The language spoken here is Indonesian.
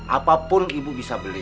apapun ibu bisa beli